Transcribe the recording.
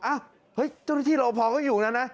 อ้าวเฮ้ยเจ้าหน้าที่รอบพอร์ก็อยู่อยู่นั้นนะ